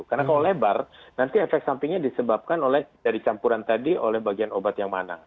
karena kalau lebar nanti efek sampingnya disebabkan oleh dari campuran tadi oleh bagian obat yang mana